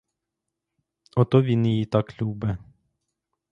Ото він її так любе!